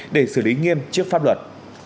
để xử lý nghiêm trước pháp luật